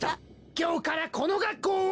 今日からこの学校を。